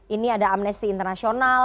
ini ada amnesty international